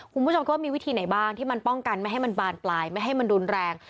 คุณผู้ชมก็มีวิธีไหนบ้างที่มันป้องกันไม่ให้มันบานปลายไม่ให้มันรุนแรง